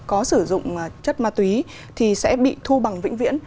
có sử dụng chất ma túy thì sẽ bị thu bằng vĩnh viễn